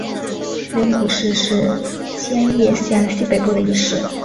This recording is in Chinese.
镰谷市是千叶县西北部的一市。